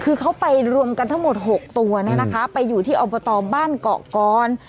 คือเขาไปรวมกันทั้งหมด๖ตัวนะคะไปอยู่ที่อบตบ้านเกาะกร